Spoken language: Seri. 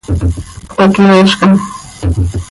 Pac yoozcam.